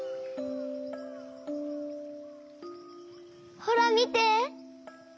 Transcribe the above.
ほらみて！